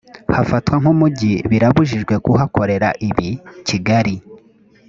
hafatwa nk umujyi birabujijwe kuhakorera ibi kigali